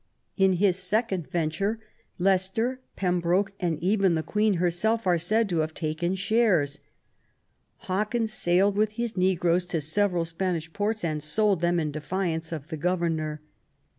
In his second venture, Leicester, Pembroke, and even the Queen herself, are said to have taken shares. Hawkins sailed with his negroes to several Spanish ports and sold them in defiance of the Governor.